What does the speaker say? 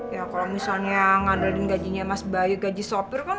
ya kalau misalnya ngandalin gajinya mas bayu gaji sopir kan